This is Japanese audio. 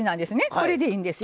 これでいいんですよ。